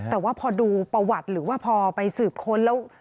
แต่ว่าพอดูประวัติหรือว่าพอไปสืบค้นแล้ว